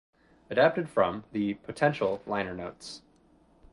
Adapted from the "Potential" liner notes.